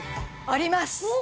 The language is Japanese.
あります。